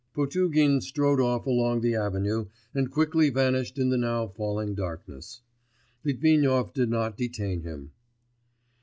Potugin strode off along the avenue and quickly vanished in the now falling darkness. Litvinov did not detain him.